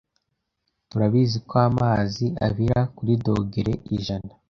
Turabizi ko amazi abira kuri dogere ijana.